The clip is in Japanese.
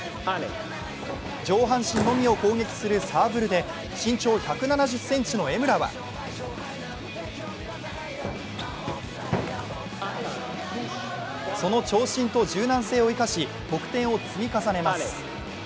上半身のみを攻撃するサーブルで身長１７０ｃｍの江村はその長身と柔軟性を生かし得点を積み重ねます。